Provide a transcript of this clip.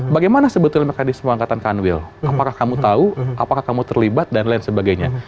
bagaimana sebetulnya mekanisme pengangkatan kanwil apakah kamu tahu apakah kamu terlibat dan lain sebagainya